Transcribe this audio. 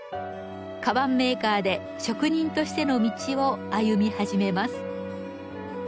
かばんメーカーで職人としての道を歩み始めます。